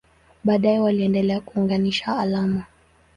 Baadaye waliendelea kuunganisha alama.